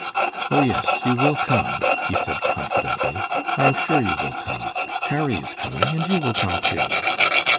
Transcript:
"Oh, yes, you will come," he said, confidently; "I am sure you will come. Harry is coming, and you will come, too."